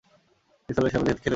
নিসার আলি সাহেব, খেতে বলেছি।